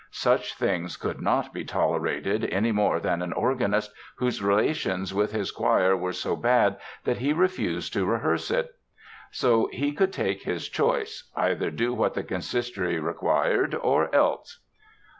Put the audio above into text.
Such things could not be tolerated any more than an organist whose relations with his choir were so bad that he refused to rehearse it. So he could take his choice—either do what the Consistory required or else....